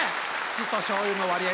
酢としょうゆの割合